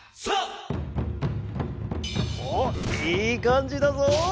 おっいいかんじだぞ。